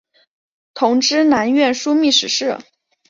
同知南院枢密使事。